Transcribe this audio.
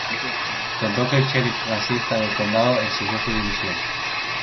Contó que el sheriff racista del condado exigió su dimisión.